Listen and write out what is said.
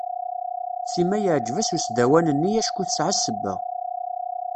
Sima yeɛǧeb-as usdawan-nni acku tesɛa sebba.